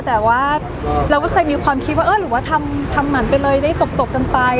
แต่ว่าเราก็เคยมีความคิดว่าเออหรือว่าทำหมันไปเลยได้จบกันไป